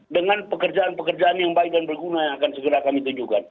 dengan pekerjaan pekerjaan yang baik dan berguna yang akan segera kami tunjukkan